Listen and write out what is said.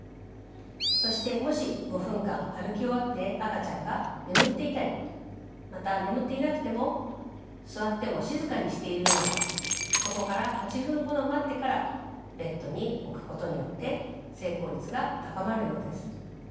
そしてもし５分間歩き終わって赤ちゃんが眠っていたりまた眠っていなくても座っても静かにしているようならそこから８分ほど待ってからベッドに置くことによって成功率が高まるようです。